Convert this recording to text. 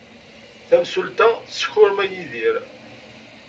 Tamsulta teskurma Yidir.